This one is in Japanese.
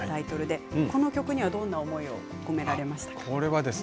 この曲にはどんな思いが込められていますか？